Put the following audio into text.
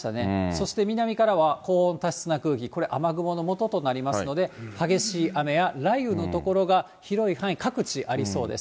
そして南からは高温多湿な空気、これ、雨雲のもととなりますので、激しい雨や雷雨の所が広い範囲、各地ありそうです。